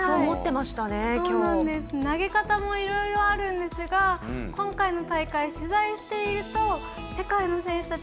投げ方も、いろいろあるんですが今回の大会、取材していると世界の選手たち